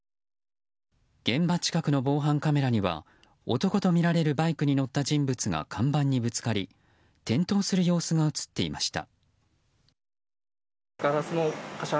現場近くの防犯カメラには男とみられるバイクに乗った人物が看板にぶつかり転倒する様子が映っていました。